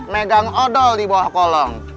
megang odol di bawah kolong